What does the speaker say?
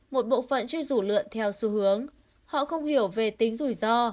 một bộ phận chưa rủ lượn theo xu hướng họ không hiểu về tính rủi ro